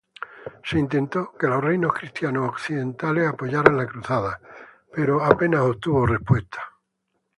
Se intentó que los reinos cristianos occidentales apoyaran la cruzada pero apenas obtuvo respuesta.